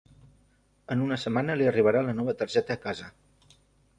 En una setmana li arribarà la nova targeta a casa.